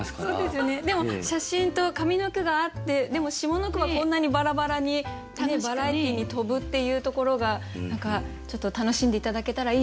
でも写真と上の句があってでも下の句はこんなにバラバラにバラエティーに富むっていうところが何かちょっと楽しんで頂けたらいいななんて。